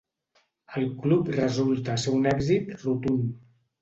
El club resulta ser un èxit rotund.